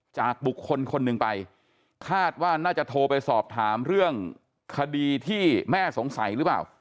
จากบุคคลคนหนึ่งไปคาดว่าน่าจะโทรไปสอบถามเรื่องคดีที่แม่สงสัยหรือเปล่า